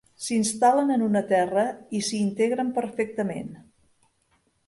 S'instal·len en una terra i s'hi integren perfectament.